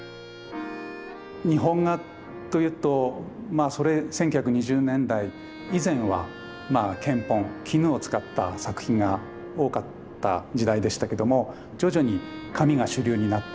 日本画というと１９２０年代以前は絹本絹を使った作品が多かった時代でしたけども徐々に紙が主流になっていく。